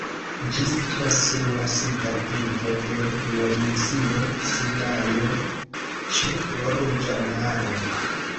Ĝi situas sur la suda pinto de duoninsulo Sinajo, ĉe Ruĝa Maro.